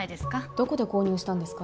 どこで購入したんですか？